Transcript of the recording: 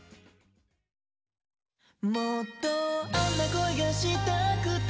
「もっとあんな恋がしたくて」